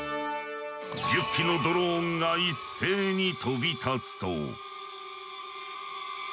１０機のドローンが一斉に飛び立つと。